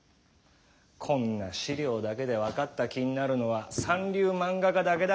こんな資料だけで分かった気になるのは三流漫画家だけだ。